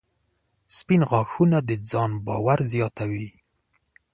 • سپین غاښونه د ځان باور زیاتوي.